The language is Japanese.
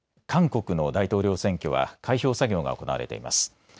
韓国の大統領選挙は開票作業が行われています。